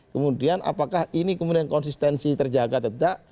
kemudian apakah ini kemudian konsistensi terjaga